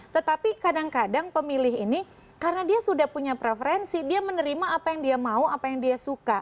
tetapi kadang kadang pemilih ini karena dia sudah punya preferensi dia menerima apa yang dia mau apa yang dia suka